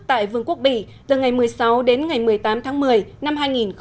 tại vương quốc bỉ từ ngày một mươi sáu đến ngày một mươi tám tháng một mươi năm hai nghìn một mươi tám